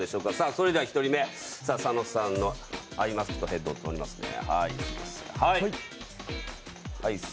それでは１人目、佐野さんのアイマスクとヘッドを取りますね。